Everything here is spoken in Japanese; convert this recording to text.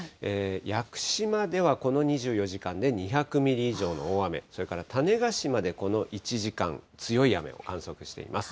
屋久島ではこの２４時間で２００ミリ以上の大雨、それから種子島でこの１時間、強い雨を観測しています。